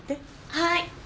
はい。